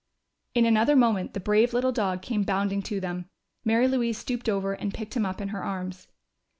In another moment the brave little dog came bounding to them. Mary Louise stooped over and picked him up in her arms.